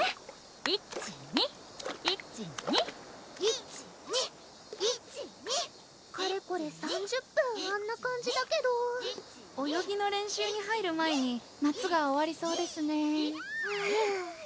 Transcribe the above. １・２１・２１・２１・２かれこれ３０分あんな感じだけど泳ぎの練習に入る前に夏が終わりそうですね